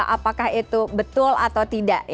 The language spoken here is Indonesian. apakah itu betul atau tidak